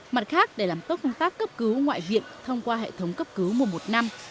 mặt khác để làm tốt công tác cấp cứu ngoại viện thông qua hệ thống cấp cứu mùa một năm